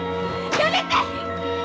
やめて！